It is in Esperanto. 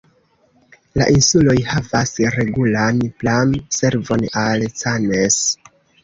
La insuloj havas regulan pram-servon al Cannes.